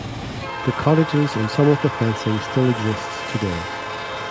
The cottages and some of the fencing still exists today.